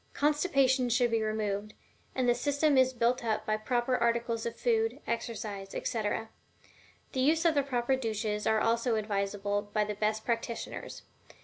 Constipation should be removed, and the system is built up by the proper articles of food, exercise, etc. The use of the proper douches are also advised by the best practitioners.